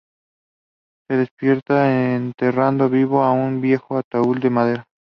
Se despierta enterrado vivo en un viejo ataúd de madera.